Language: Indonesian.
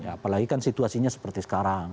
apalagi kan situasinya seperti sekarang